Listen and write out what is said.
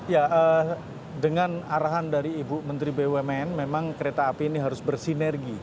ya dengan arahan dari ibu menteri bumn memang kereta api ini harus bersinergi